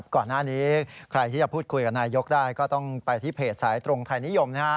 ก่อนหน้านี้ใครที่จะพูดคุยกับนายกได้ก็ต้องไปที่เพจสายตรงไทยนิยม